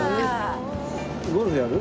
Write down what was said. ゴルフやる？